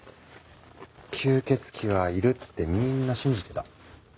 吸血鬼はいるってみんな信じてた。